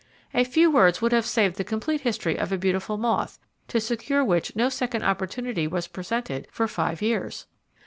A few words would have saved the complete history of a beautiful moth, to secure which no second opportunity was presented for five years.